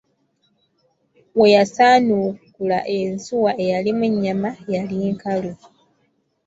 We yasaanukula ensuwa eyalimu ennyama, yali nkalu!